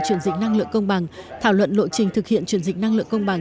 chuyển dịch năng lượng công bằng thảo luận lộ trình thực hiện chuyển dịch năng lượng công bằng